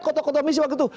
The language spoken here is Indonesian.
kota kota misi waktu itu